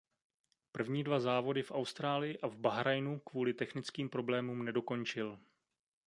První dva závody v Austrálii a v Bahrajnu kvůli technickým problémům nedokončil.